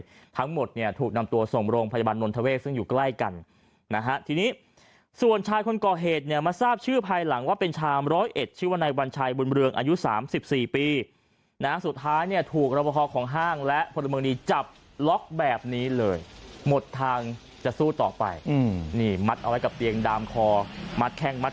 ทั้งหมดเนี่ยถูกนำตัวส่งโรงพยาบาลนนทเวศซึ่งอยู่ใกล้กันนะฮะทีนี้ส่วนชายคนก่อเหตุเนี่ยมาทราบชื่อภายหลังว่าเป็นชามร้อยเอ็ดชื่อว่านายวัญชัยบุญเรืองอายุสามสิบสี่ปีนะสุดท้ายเนี่ยถูกรับประพอของห้างและพลเมืองดีจับล็อกแบบนี้เลยหมดทางจะสู้ต่อไปอืมนี่มัดเอาไว้กับเตียงดามคอมัดแข้งมัด